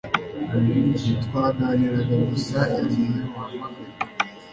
Twaganiraga gusa igihe wahamagaye